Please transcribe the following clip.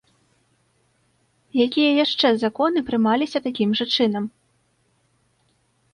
Якія яшчэ законы прымаліся такім жа чынам?